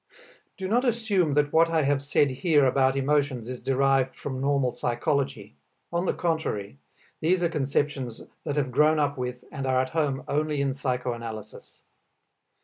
Do not assume that what I have said here about emotions is derived from normal psychology. On the contrary, these are conceptions that have grown up with and are at home only in psychoanalysis.